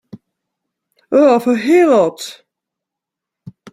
A half a heelot!